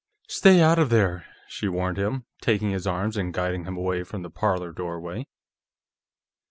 "Stay out of there," she warned him, taking his arm and guiding him away from the parlor doorway.